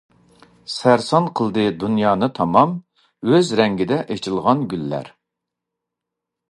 سەرسان قىلدى دۇنيانى تامام، ئۆز رەڭگىدە ئېچىلغان گۈللەر.